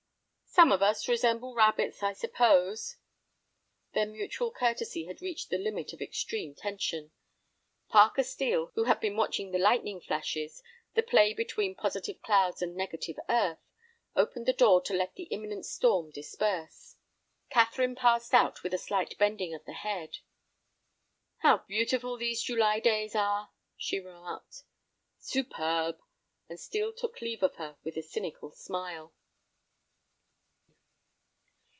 "Some of us resemble rabbits, I suppose." Their mutual courtesy had reached the limit of extreme tension. Parker Steel, who had been watching the lightning flashes, the play between positive clouds and negative earth, opened the door to let the imminent storm disperse. Catherine passed out with a slight bending of the head. "How beautiful these July days are!" she remarked. "Superb," and Steel took leave of her with a cynical smile.